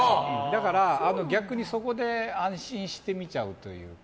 だから逆にそこで安心して見ちゃうというか。